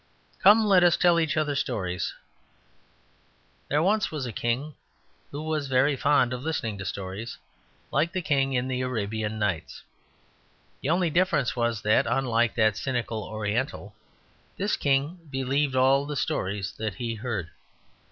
Come, let us tell each other stories. There was once a king who was very fond of listening to stories, like the king in the Arabian Nights. The only difference was that, unlike that cynical Oriental, this king believed all the stories that he heard.